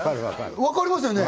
分かりますよね？